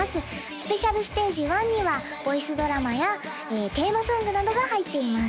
「ＳＰＳＴＡＧＥ１」にはボイスドラマやテーマソングなどが入っています